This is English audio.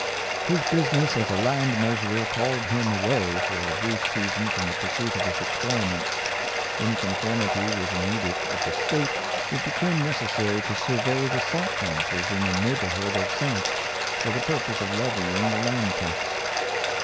His business as a land measurer called him away for a brief season from the pursuit of his experiments. In conformity with an edict of the State, it became neces sary to survey the salt marshes in the neighborhood of Saintes for the purpose of levying the land tax.